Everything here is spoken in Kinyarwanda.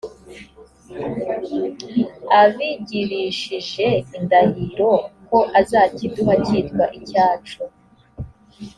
abigirishije indahiro ko azakiduha kitwa icyacu.